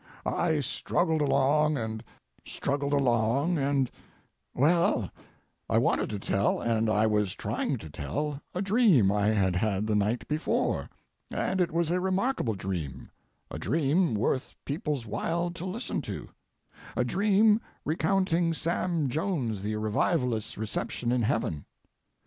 I struggled along and struggled along, and—well, I wanted to tell and I was trying to tell a dream I had had the night before, and it was a remarkable dream, a dream worth people's while to listen to, a dream recounting Sam Jones the revivalist's reception in heaven.